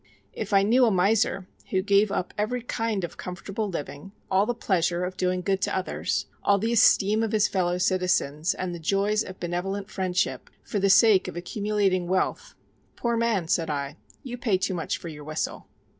If I knew a miser, who gave up every kind of comfortable living, all the pleasure of doing good to others, all the esteem of his fellow citizens, and the joys of benevolent friendship, for the sake of accumulating wealth, Poor man, said I, you pay too much for your whistle.